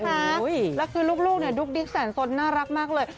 แล้วคือลูกดุกดิ๊กแสนสดน่ารักมากเลย